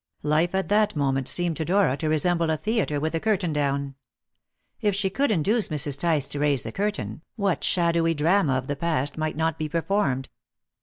Life at that moment seemed to Dora to resemble a theatre with the curtain down. If she could induce Mrs. Tice to raise the curtain, what shadowy drama of the past might not be performed!